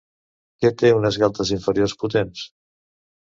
Que té unes galtes inferiors potents.